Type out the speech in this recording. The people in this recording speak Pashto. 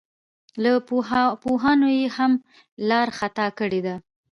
له پوهانو یې هم لار خطا کړې ده.